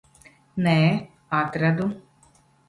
Nē, atradu.